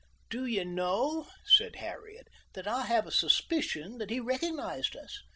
"Do you know," said Harriet, "that I have a suspicion that he recognized us.